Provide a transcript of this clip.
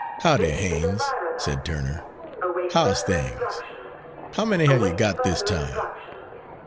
"Howdy, Haines," said Turner, "How's things? How many have you got this time?"